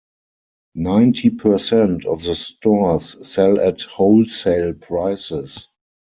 Ninety percent of the stores sell at wholesale prices.